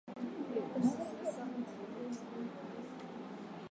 elfu mbili na ishirini Wengi walimuita tu Gaddafi Yeye ni mtoto wa mmoja wa